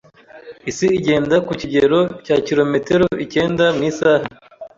Isi igenda ku kigero cya kilometero ikenda mu isaha.